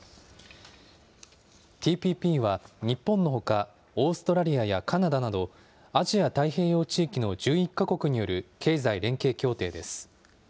ＴＰＰは日本のほか、オーストラリアやカナダなどアジア太平洋地域の１１か国による経済連携協定です。